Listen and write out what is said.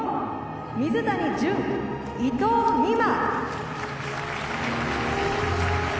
水谷隼、伊藤美誠。